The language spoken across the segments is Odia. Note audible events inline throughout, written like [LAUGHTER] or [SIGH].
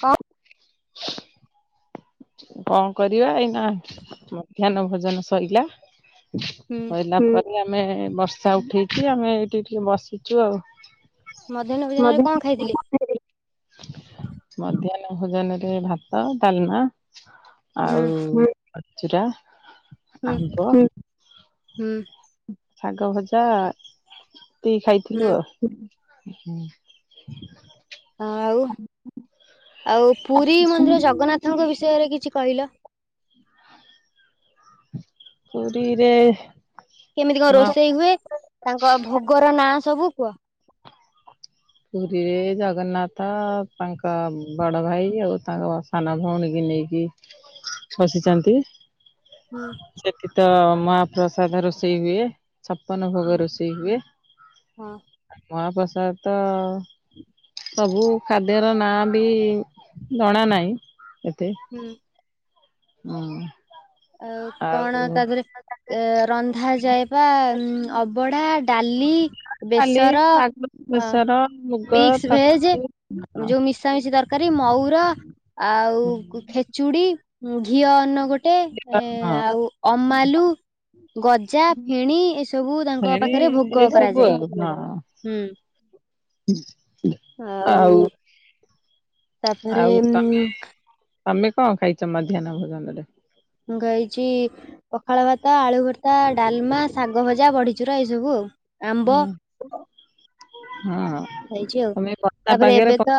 କ [INAUDIBLE] କଣ କରିବା ଏଇନା ମଧ୍ୟାହ୍ନ ଭୋଜନ ସୋଇଲା ହୁଁ ରହିଲା ପରେ ଆମେ ବର୍ଷା ଉଠେଇଛି ଆମେ ଏଇଠି ଟିକେ ବସି ଛୁ ଆଉ ମଧ୍ୟାହ୍ନ ଭୋଜନରେ ମଧ୍ୟାନ କଣ ଖାଇଥିଲେ? [INAUDIBLE] ମଧ୍ୟ୍ୟ ଭୋଜନ ରେ ଭାତ ଡାଲମା ହୁଁ ଆଉଚୁରା ହୁଁ ଆମ୍ୱ ହୁଁ। ଶାଗ ଭଜା ଏତି ଖାଇଥିଲୁ ହୁଁ ଆଉ। ହୁଁ। ହଁ ଆଉ ଆଉ ପୁରୀ ମନ୍ଦିର ଜଗନ୍ନାଥଙ୍କ ବିଷୟରେ କିଛି କହିଲ। ପୁରୀରେ କେମିତି କଣ ମା ରୋଷେଇ ହୁଏ ତାଙ୍କ ଭୋଗର ନାଁ ସବୁ କୁହ? ପୁରୀରେ ଜଗନ୍ନାଥ ତାଙ୍କ ବଡ ଭାଇ ଆଉ ତାଙ୍କ ସାନ ଭଉଣୀ କି ନେଇକି ଖସିଛନ୍ତି। ହୁଁ। ତ ମହାପ୍ରସାଦ ରୋଷେଇ ହୁଏ। ଛପନ ହୁଁ ଭୋଗ ରୋଷେଇ ହୁଏ। ମହାପ୍ରସାଦ ତ ହ ସବୁ ଖାଦ୍ୟର ନାଁ ବି ଜଣା ନାହିଁ। ଏତେ ହୁଁ। ହୁଁ। ଆ କଣ ଆଉ ତାଦେହରେ ଏ ରନ୍ଧା ଯାଏବା ଉ ଅବଡା ଡାଲି, ଖାଲି ବେସର ଶାଗ ହଁ ବେସର ମୁଗ ମିକ୍ସ ଭେଜ ତରକାରୀ ଯୋଉ ମିଶାମଶି ତରକାରୀ ମଉ ଆଉ ହଁ ଖେଚୁଡି ଘିଅ ଅନ୍ନ ଗୋଟେ। ଗଟେ ହଁ ଆଉ ଅମାଲୁ। ଗଜା ଫେଣୀ ଏସବୁ ତାଙ୍କ ଫେଣି ପାଖରେ ଭୋଗ ଏଇ ସବୁ କରାଯାଏ। ଆଉ ହଁ ହୁଁ। ଆଉ ତାପରେ ଆଉ ତମେ ଉଁ ତମେ କଣ ଖାଇଛ ମଧ୍ୟାହ୍ନ ଭୋଜନ ରେ? ମୁଁ ଖାଇଛି ପଖାଳ ଭାତ, ଆଳୁ ଭର୍ତ୍ତା, ଡାଲମା, ଶାଗ ଭଜା, ବଢିଚୁରା, ଏଇ ସବୁ ଆଉ। ଆମ୍ବ। ହଁ ହେଇଛି ଆଉ ତମେ ବର୍ଷା ତାପରେ ପାଗରେ ଏବେ ପ ତ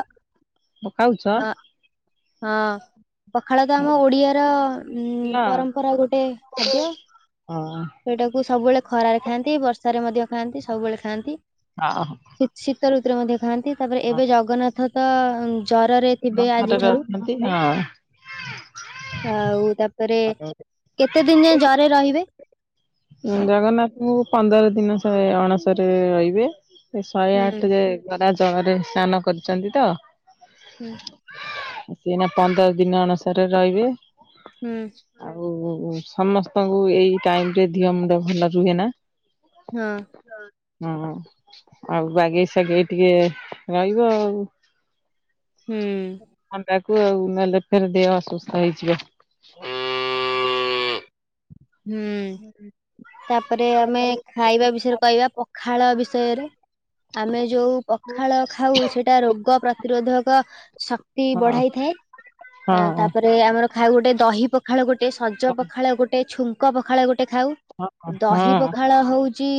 ଖାଉଛ? ଆଁ। ହଁ। ପଖାଳ ତ ଆମ ଓଡିଆର ଭଲ ଉଁ- ପରମ୍ପରା ଗୋଟେ ଖାଦ୍ୟ। ହଁ ଏଟାକୁ ସବୁବେଳେ ଖରାରେ ଖାଆନ୍ତି, ବର୍ଷାରେ ମଧ୍ୟ ଖାଆନ୍ତି ସବୁବେଳେ ଖାଆନ୍ତି। ଆ ଅହ। ଶୀ- ଶୀତ ଋତୁରେ ମଧ୍ୟ ଖାଆନ୍ତି ତାପରେ ଏବେ ହଁ ଜଗନ୍ନାଥ ତ ଉଁ ଜର ରେ ଥିବେ ରେ ଆଜିଠାରୁ। ଅଛନ୍ତି ହଁ। [INAUDIBLE] ଆଉ ତାପରେ କେତେ ଦିନ ଯାଏଁ ଜରେ ରହି ବେ। ଉଁ ଜଗନ୍ନାଥଙ୍କୁ ପନ୍ଦର ଦିନ ଯା ଅଣସରରେ ରହିବେ। ଶହେ ହୁଁ ଆଠରେ ଗରା ଜଳରେ ସ୍ନାନ କରିଛନ୍ତି ତ। ହୁଁ [INAUDIBLE] ଏଇନା ପନ୍ଦର ଦିନ ଅଣସରରେ ରହିବେ। ହୁଁ ଆଉ ସମସ୍ତଙ୍କୁ ଏଇ ଟାଇମ୍ ଟିଏ ଧିଅ ମୁଣ୍ଡ ଭଲ ରୁହେ ନା। ହଁ। ହଁ ଆଉ ବାଗେଇ ସାଗେଇ ଟିକେ ରହିବ ଆଉ। ହୁଁ। କୁ ଆଉ ନହେଲେ ଫେରେ ଦେହ ଅସୁସ୍ଥ ହେଇଯିବ। ଉୁଁ। ହୁଁ ତାପରେ ଆମେ ଖାଇବା ବିଷୟରେ କହିବା ପଖାଳ ବିଷ୍ ସୟରେ। ଆମେ ଯୋଉ ପଖାଳ ଖାଉ ସେଟା ରୋଗ ପ୍ରତିରୋଧକ ଶକ୍ତି ହଁ ବଢାଇଥାଏ। ଆଁ- ହଁ ତାପରେ ଆମର ଖାଉ ଗୋଟେ ଦହି ପଖାଳ ଗୋଟେ, ସଜ ପଖାଳ ଗୋଟେ। ଛୁଙ୍କ ପଖାଳ ଗୋଟେ ଖାଉ ହଁ ହଁ ଦହି ହଁ। ପଖାଳ ହଉଚ଼ି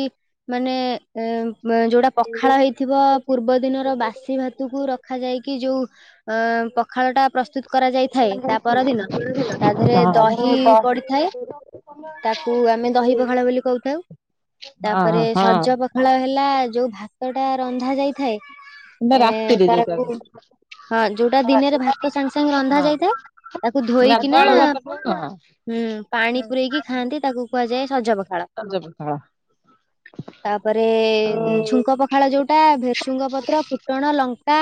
ମାନେ ଏ ମା ଯୋଉଟା ପଖାଳ ହେଇଥିବ ପୂର୍ବ ଦିନର ବାସି ଭାତକୁ ରଖା ଯାଇକି ଯୋଉ ଅ ପଖାଳ ଟା ପ୍ରସ୍ ପ୍ରସ୍ତୁତ କରାଯାଇଥାଏ ତା ପରଦିନ ତା ଧେରେ ଦହି ହଁ ପଡିଥାଏ। ତାକୁ ଆମେ ଦହି ପଖାଳ ବୋଲି କହୁଥାଉ। ତାପରେ ହଁ ସଜ ପଖାଳ ହେଲା ଯୋଉ ଭାତ ଟା ରନ୍ଧା ଯାଇଥାଏ। ଏଟା ଏ ରାତିରେ ଯୋଉଟା ତାରକୁ। ହଁ ଯୋଉଟା ଦିନେରେ ଭାତ ସାଙ୍ଗେ ସାଙ୍ଗେ ରନ୍ଧା ହଁ ଯାଇଥାଏ ତାକୁ ଧୋଇକିନା ଗାଧୁଆଳ ଭାତଟା ହଁ ହୁଁ ପାଣି ପୂରେଇକି ଖାଆନ୍ତି ତାକୁ କୁହାଯାଏ ସଜ ପଖାଳ। ସଞ୍ଜ ପଖାଳ। ତାପରେ ଛୁଙ୍କ ପଖାଳ ଯୋଉଟା ଭେର୍ସୁଙ୍ଗ ପତ୍ର, ଫୁଟଣ, ଲ ତା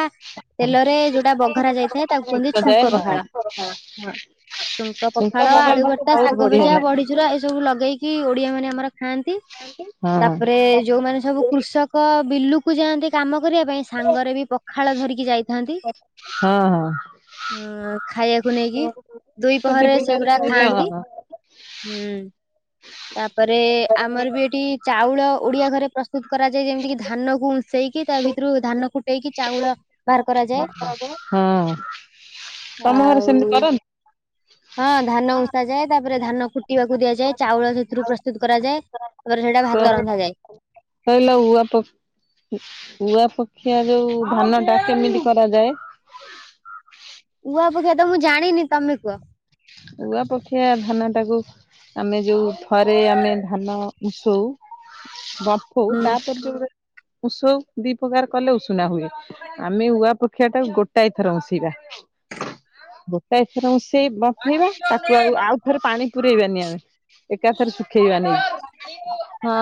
ତେଲରେ ଯୋଉଟା ବଘରା ଯାଇଥାଏ ତାକୁ କୁହନ୍ତି ଶୁକ୍ତ ଯାଏ ଛୁଙ୍କ ହଁ ପଖାଳ। ହଁ ଛୁଙ୍କ ଶୁକ୍ତ ପଖାଳ, ଆଳୁ ଭାତ ଭର୍ତ୍ତା, ବହୁତ ଶାଗ ଭଜ୍ ବଢିଆ ଯା ଲାଗେ। ବଢିଚୁରା ଏ ସବୁ ଲଗେଇକି ଓଡିଆ ମାନେ ଆମର ଖାଆନ୍ତି ହଁ ତାପରେ ଯୋଉମାନେ ସବୁ କୃଷକ ବିଲକୁ ଯାଆନ୍ତି କାମ କରିବା ପାଇଁ ସାଙ୍ଗରେ ବି ପଖାଳ ଧରିକି ଯାଇ ଥାନ୍ତି ହଁ ହଁ ଉଁ ଖାଇୟା କୁ ନେଇକି ଦୁଇ ସେଠି ପହରେ ବିଲରେ ସେଗୁରା ଖାଇବେ ଖାଆନ୍ତି ହଁ। ଉଁ। ତାପରେ ଆମର ବି ଏଠି ଚାଉଳ ଓଡିଆ ଘରେ ପ୍ରସ୍ତୁତ୍ କରାଯାଏ ଯେମିତି କି ଧାନ କୁ ଉଁଶେଇକି ତା ଭିତରୁ ଧାନ ଫୁଟେଇକି ଚାଉଳ ବାହାର ହଁ କରାଯାଏ। ତମ ଘରେ ସେମିତି ଆଉ କରନ୍ତି। ହଁ ଧାନ ଉଁଷା ଯାଏ ତାପରେ ଧାନ କୁଟିବାକୁ ଦିଆଯାଏ ଚାଉଳ ସେଥିରୁ ପ୍ରସ୍ତୁତ କରାଯାଏ। ତାପରେ ସେଇଟା ଭାତ ରନ୍ଧାଯାଏ। ହେଲେ ହୁଅ ପପ୍ ଉଆ ପକ୍ଷିଆ ଯୋଉ ଧାନ ଟା କେମିତି କରାଯାଏ? ଉଆ ଅପେକ୍ଷା ତ ମୁଁ ଜାଣିନି ତମେ କୁହ। ଉଆ ଅପେକ୍ଷା ଧାନ ଟାକୁ ଆମେ ଯୋଉ ଥରେ ଆମେ ଧାନ ମିସ୍ଉ ବମ୍ଫଉ ହୁଁ ତାପରେ ଯୋଉ ଗୋଟେ ଉଷଉ ଦି ପ୍ରକାର କଲେ ଉଷୁନା ହୁଏ ଆମେ ଉଆ ପକ୍ଷିଆ ଟାକୁ ଗୋଟାଏ ଥର ଉଷେଇବା। [INAUDIBLE] ଗୋଟା ଏଥର ଉଷେଇ ବଫେଇବା ତାକୁ ଆଉ ଆଉ ଥରେ ପାଣି ପୁରେଇବାନି ଆମେ। ଏକାଥରେ ଶୁଖେଇବା ନେଇକି ହଁ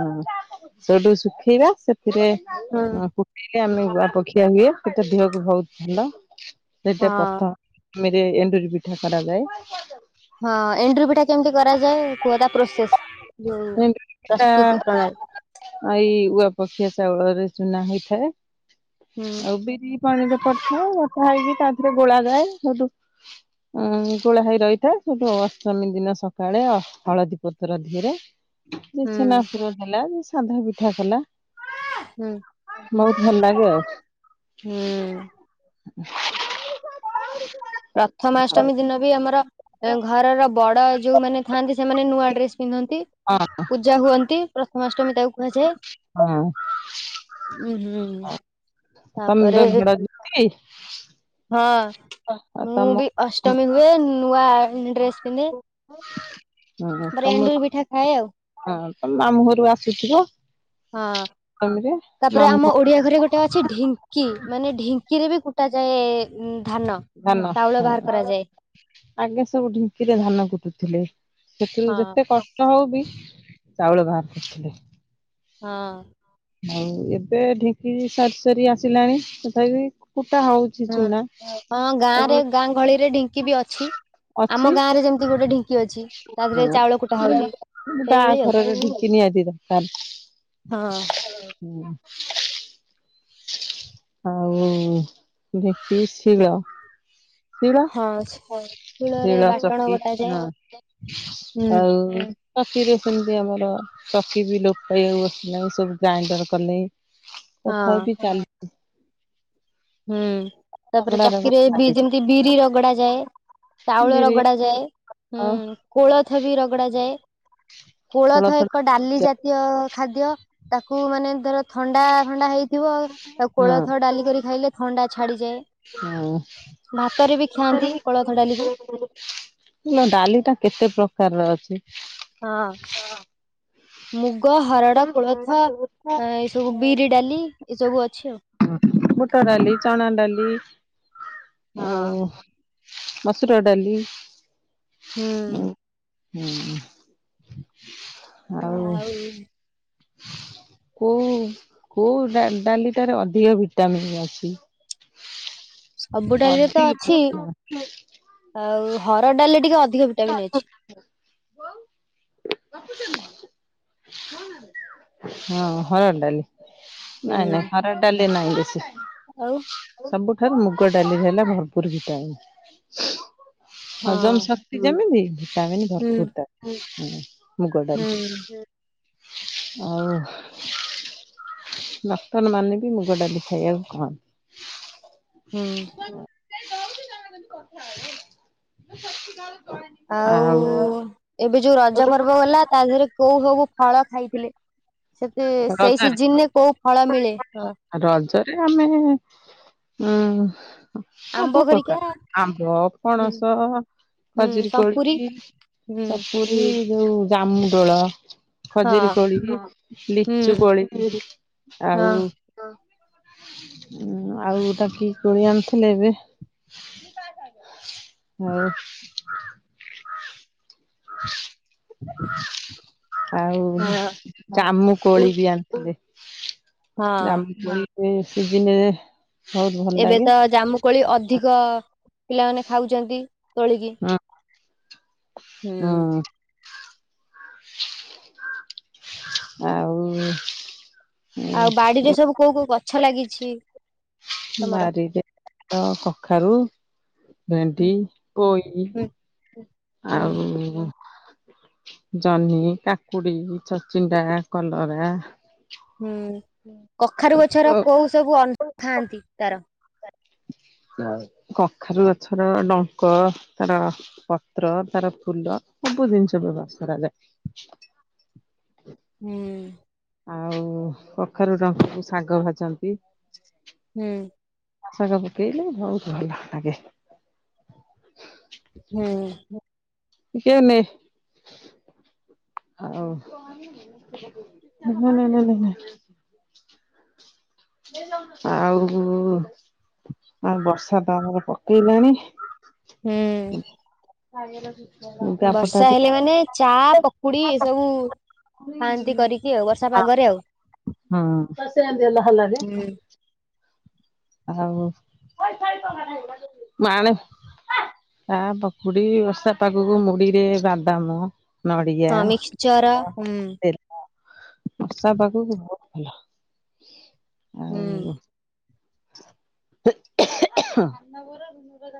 ହଁ। ସେଠୁ ଶୁଖେଇବା ସେଥିରେ ହୁଁ ଶୁଖେଇଲେ ଆମେ ଉଆପଖିଆ ହୁଏ। ସେତ ଦେହକୁ ବହୁତ ଭଲ ସେଟା ହଁ। ପ୍ରଥମିରେ ଏଣ୍ଡୁରି ପି ଠା କରାଯାଏ। ହଁ ଏଣ୍ଡୁରି ପିଠା କେମିତି କରାଯାଏ କୁହତ? ପ୍ରୋସେସ୍ ଏଣ୍ଡୁରି ପ୍ରସ୍ତୁତି ପ୍ରଣାଳୀ। ଉଆ ପକ୍ଷିଆ ଚାଉଳରେ ଚୁନା ହେଇଥାଏ। ହୁଁ ଆଉ ବିରି ପାଣିରେ ପକାଉ ଓଦା ହେଇକି ତାପରେ ଗୋଳା ଯାଏ ହେଉଟୁ ଉଁ ଗୋଳା ହେଇ ରହିଥାଏ ସେଠୁ ଅଷ୍ଟମୀ ଦିନ ସକାଳେ ହଳଦୀ ପ ର ଧିରେ ଯେ ହୁଁ ଛେନାପୁର ଦେଲା ଯେ ସାଧା ପିଠା କଲା। ହୁଁ ବହୁତ ଭଲ ଲାଗେ ଆଉ। ହୁଁ [INAUDIBLE] ପ୍ରଥମାଷ୍ଟମୀ ଦିନ ବି ଆମର ଘରର ବଡ ଯୋଉମାନେ ଥାଆନ୍ତି ସେମାନେ ନୂଆ ଡ୍ରେସ୍ ପିନ୍ଧନ୍ତି ପୂଜା ହୁଅନ୍ତି ପ୍ରଥମାଷ୍ଟମୀ ତାକୁ କୁହାଯାଏ। ହଁ ହଁ ଉ ହୁଁ ତମେ ତାପରେ ତ ବଡ ଦିଦି ହଁ ଆଉ ମୁଁ ତମ ବି ଅଷ୍ଟମୀ ହୁଏ ନୂଆ ଡ୍ରେସ୍ ପିନ୍ଧେ ହଁ ତାପରେ ଏଣ୍ଡୁରି ପିଠା ସମସ୍ତେ ଖାଏ ଆଉ ହଁ। ମାମୁଁ ଘରୁ ଆସୁଥିବ। ହଁ ତମରେ ତାପରେ ମାମୁଁ ଆମ ଘର ଓଡିଆ ଘରେ ଗୋଟେ ଅଛି ଢିଙ୍କି ମାନେ ଢିି ଙ୍କି ରେ ବି କୁଟା ଯାଏ। ଧାନ ହୁଁ। ଆଗେ ସବୁ ଢିଙ୍କିରେ ଧାନ କୁଟୁଥିଲେ ସେଥିରୁ ହଁ ଯେତେ କଷ୍ଟ ହଉ ବି ଚାଉଳ ବାହାର କରୁଥିଲେ। ହଁ। ଆଉ ଏବେ ଢିଙ୍କି ସରିି ସରି ଆସିଲାଣି ତଥାପି କୁଟା ହଉଛି ହୁଁ ଚୁନା ହଁ ଗାଁ ଆଜି ରେ ଗାଁ ଗହଳିରେ ଢିଙ୍କି ବି ଅଛି। ଅଛି ଆମ ଗାଁ ରେ ଯେମିତି ଗୋଟେ ଢ଼ି ଙ୍କି ଅଛି ତା ଦେହରେ ହଁ ଚାଉଳ କୁଟା ହଉଛି ସେଇଭଳି ଆଉ। ବାହାଘରରେ ଢିଙ୍କି ନିହାତି ଦରକାର ହଁ। ଆଉ ଢ଼ିଙ୍କି, ଶୀଳ ଶୀଳ ହଁ ଶିଳରେ ଶୀଳ ବାଟଣ ଚକି ବଟାଯାଏ ନା ହୁଁ ଆଉ କତିରେ। ସେମିତି ଆମର ଚକି ବି ଲୋପ୍ ପାଇବାକୁ ବସିଲାଣି ସବୁ ଗ୍ରାଇଣ୍ଡର କଲେ। ହଁ ତଥାପି ଚାଲିଛି। ହୁଁ ତାପରେ ରଗଡା ଚକିରେ ରଗଡା ବି ଚାଲିଛି ଯେମିତି ବିରି ରଗଡା ଯାଏ। ଚାଉଳ ବିରି ରଗଡା ଯାଏ, ହୁଁ ଆଉ କୋଳଥ ବି ରଗଡା ଯାଏ। କୋଳଥ ଏକ ଡାଲି ଜାତୀୟ ଖାଦ୍ୟ ତାକୁ ମାନେ ଧର ଥଣ୍ଡା ଥଣ୍ଡା ହେଇଥିବ ତାକୁ କୋଳଥ ଡାଲିି କରି ଖାଇଲେ ଥଣ୍ଡା ଛାଡିଯାଏ। ହୁଁ ଭାତରେ ବି ଖାଆନ୍ତି କୋଳଥ ଡାଲିକୁ [INAUDIBLE] ନା ଡାଲି ଟା କେତେ ପ୍ରକାରର ଅଛି? ହଁ। ମୁଗ, ହରଡ଼, କୋଳଥ, ଏ ସବୁ ବିରି ଡାଲି ଏ ସବୁ ଅଛି ଆଉ। ବୁଟ ଡାଲି, ଚଣା ଡାଲି, ଆଉ ମସୁର ଡାଲି। ହୁଁ। ହୁଁ। ଆଉ କୋଉ କୋଉ ଡା-ଡାଲିଟାରେ ଅଧିକ ଭିଟାମନ୍ ଅଛି। ସବୁ ଡାଲିରେ ତ ଅଧିକ ଅଛି ପସନ୍ଦ ଆଉ ହରଡ ଡାଲି ଟିକେ ଅ ଅଧିକ ଭିଟାମିନ ଅଛି। ହୋଉ [INAUDIBLE] ହଁ ହରଡ଼ ଡାଲି ହୁଁ ନାଇଁ ନାଇଁ ହରଡ ଡାଲି ନାହିଁ ବେଶୀ ଆଉ ସବୁଠାରୁ ମୁଗ ଡାଲିରେ ହେଲା ଭରପୁର ଭିଟାମିନ ହଜମ ହଁ ସ [UNINTELLIGIBLE] ଭିଟାମିନ ହୁଁ ଭରପୁର ତାର ମୁଗ ଡାଲି। ହୁଁ ଆଉ ଡାକ୍ତର ମାନେ ବି ମୁଗ ଡାଲି ଖାଇବାକୁ କହନ୍ତି ହୁଁ। [INAUDIBLE] ଆଉ ଏବେ ଯୋଉ ରଜ ପର୍ବ ଗଲା ତା ଦେହରେ କୋଉ ସବୁ ଫଳ ଖାଇଥିଲେ ସେତେ ସେଇ ରଜରେ ସିଜିନରେ କୋଉ ଫଳ ମିଳେ ହ ରଜରେ ଆମେ ହୁଁ ଆମ୍ବ ସବୁ ଘରିକା ପ୍ରକାର ଆମ୍ବ ହୁଁ ପଣସ ହୁଁ ଖଜୁରୀ ସପୁରୀ କୋଳି ହୁଁ ସପୁରୀ ଯୋଉ ଜାମୁଡୋଳ ହଁ ଖଜୁରୀ କୋଳି ଲିଚୁ ହୁଁ କୋଳି ହଁ ଆଉ ଆଉ ଏଟା କି କୋଳି ଆଣିଥିଲେ ଏବେ ଆଉ ଆଉ ହଁ ଜାମୁ କୋଳି ବି ଆଣିଥିବେ। ହଁ। ଜାମୁ କୋଳି ଏ ସିଜିନରେ ବହୁତ ଭଲ ଏବେ ଲାଗେ ତ ଜାମୁକୋଳି ଅ ଅଧିକ ପିଲାମାନେ ଖାଉଛନ୍ତି ତୋଳିକି ହଁ ହୁଁ। ହଁ। ଆଉ ଆଉ ବାଡିରେ ସବୁ କୋଉ କୋଉ ଗଛ ଲାଗିଛି? ତମର? ବାରିରେ ତ କଖାରୁ ହୁଁ ଭେଣ୍ଡି ପୋଇ ହୁଁ। ଆଉ ଜହ୍ନି କାକୁଡି ଛଚିଣ୍ଡା କଲରା ହୁଁ କଖାରୁ ଗଛର ଓ କୋଉ ସବୁ ଅଥାନ୍ତି ତାର କଖାରୁ ଗଛର ଡଙ୍କ ତାର ପତ୍ର ତାର ଫୁଲ ସବୁ ଜିନିଷ ବ୍ୟବହାର କରାଯାଏ ହଁ [INAUDIBLE] ଆଉ କଖାରୁ ଡଙ୍କ କୁ ସାଗ ଭାଜନ୍ତି। ହୁଁ। ଶାଗ ପକେଇଲେ ବହୁତ ଭଲ ଲାଗେ। ହୁଁ। ଟିକେ ନେ ହଉ ନାଇ ନାଇ ନାଇ ନାଇ ନାଇ। ଆଉ ଆଉ ବର୍ଷା ତ ଆମର ପକେଇଲାଣି। ହୁଁ [INAUDIBLE] ଲୁଗାପଟା ବର୍ଷା ଟିକେ ହେଲେ ମାନେ ଚା ପକୁଡି ଏ ସବୁ ଖାଆନ୍ତି କରିକି ଆଉ ବର୍ଷା ପାଗରେ ଆଉ ତ ସେମତି ହେଲା ହେଲାନି। ହୁଁ। ଆଉ ମାଣେ। ଚା ପକୁଡ଼ି ବର୍ଷା ପାଗୁକୁ ମୁଢ଼ିରେ ବାଦାମ ନଡ଼ିଆ ହଁ ମିକ୍ସଚର ହୁଁ [INAUDIBLE] ତେଲ ବର୍ଷା ପାଗୁକୁ ବୋହୁତ ଭଲ ହୁଁ। ଆଉ ଧାନବର ରିନୁର ଜ